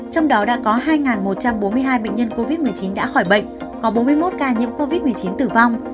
trong đó đã có hai một trăm bốn mươi hai bệnh nhân covid một mươi chín đã khỏi bệnh có bốn mươi một ca nhiễm covid một mươi chín tử vong